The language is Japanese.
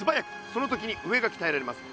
その時に上がきたえられます。